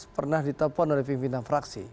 pernah ditelepon oleh pimpinan fraksi